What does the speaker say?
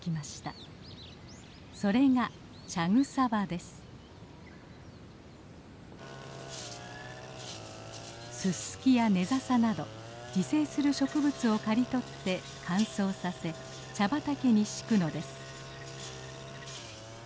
それがススキやネザサなど自生する植物を刈り取って乾燥させ茶畑に敷くのです。